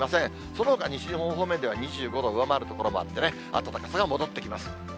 そのほか、西日本方面では２５度を上回る所もあってね、暖かさが戻ってきます。